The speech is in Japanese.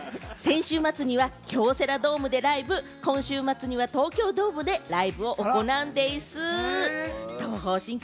先週末には京セラドームでライブ、今週は東京ドームでライブを行うんです。